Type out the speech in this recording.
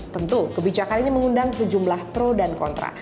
tentu kebijakan ini mengundang sejumlah pro dan kontra